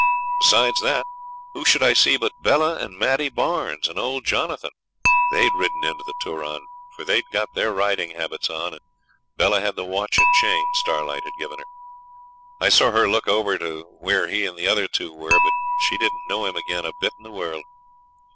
Besides that, who should I see but Bella and Maddie Barnes and old Jonathan. They'd ridden into the Turon, for they'd got their riding habits on, and Bella had the watch and chain Starlight had given her. I saw her look over to where he and the other two were, but she didn't know him again a bit in the world.